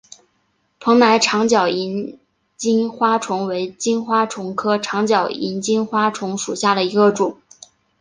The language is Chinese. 蓬莱长脚萤金花虫为金花虫科长脚萤金花虫属下的一个种。